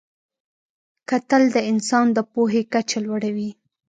کتل د انسان د پوهې کچه لوړوي